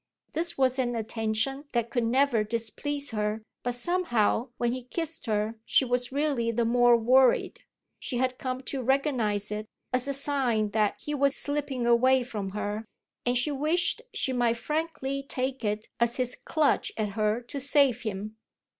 This was an attention that could never displease her, but somehow when he kissed her she was really the more worried: she had come to recognise it as a sign that he was slipping away from her, and she wished she might frankly take it as his clutch at her to save him.